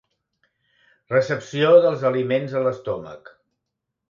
Recepció dels aliments a l'estómac.